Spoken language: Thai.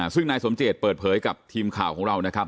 ซึ่งนายสมเจตเปิดเผยกับทีมข่าวของเรานะครับ